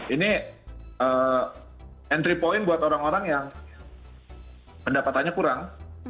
ini entry point buat orang orang yang pendapatannya kurang